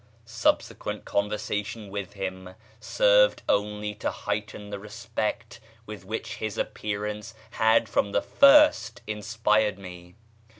Subsequent conversation with him served only to heighten the respect with which his appearance had from the first inspired me.